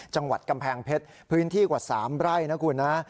จังหวัดกำแพงเพชรพื้นที่กว่า๓ไร่นะคุณนะ